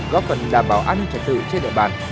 gốc phần đảm bảo an ninh lực tự trên địa bàn